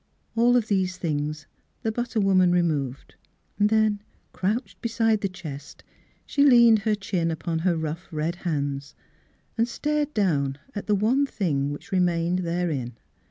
All of these things the butter woman re moved : then crouched beside the chest she leaned her chin upon her rough, red hands and stared down at the one thing which remained therein.